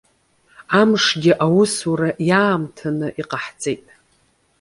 Амшгьы аусура иаамҭаны иҟаҳҵеит.